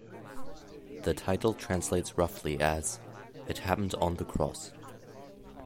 The title translates roughly as "It Happened on the cross".